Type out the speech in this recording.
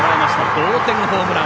同点ホームラン。